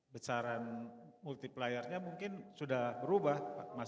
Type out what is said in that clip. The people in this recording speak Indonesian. besaran multiplier nya mungkin sudah berubah